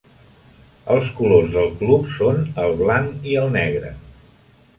Els colors del club són el blanc i el negre.